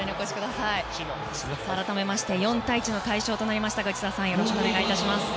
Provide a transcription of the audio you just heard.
改めまして４対１の快勝となりましたが内田さん、お願いします。